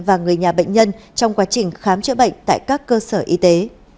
và người nhà bệnh nhân trong quá trình khám chữa bệnh tại các cơ sở y tế